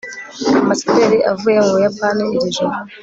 ambasaderi avuye mu buyapani iri joro